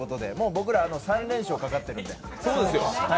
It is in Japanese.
僕ら３連勝かかってるんで。